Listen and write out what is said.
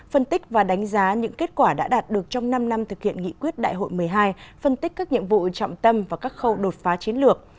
phân tích và đánh giá những kết quả đã đạt được trong năm năm thực hiện nghị quyết đại hội một mươi hai phân tích các nhiệm vụ trọng tâm và các khâu đột phá chiến lược